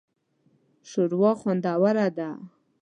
شوروا خوندوره ده